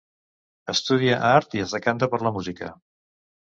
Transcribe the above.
Estudia art, i es decanta per la música.